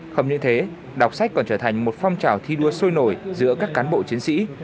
không những thế đọc sách còn trở thành một phong trào thi đua sôi nổi giữa các cán bộ chiến sĩ